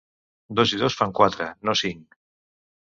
Dos i dos fan quatre, no cinc.